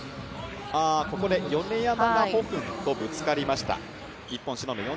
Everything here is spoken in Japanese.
ここで米山がホ・フンとぶつかりました。